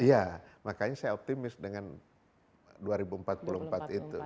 iya makanya saya optimis dengan dua ribu empat puluh empat itu